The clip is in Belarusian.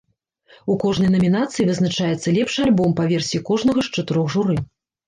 У кожнай намінацыі вызначаецца лепшы альбом па версіі кожнага з чатырох журы.